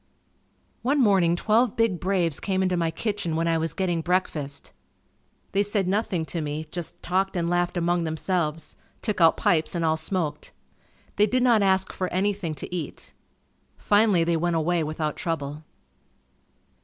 One morning twelve big braves came into my kitchen when I was getting breakfast. They said nothing to me, just talked and laughed among themselves; took out pipes and all smoked. They did not ask for anything to eat. Finally they went away without trouble.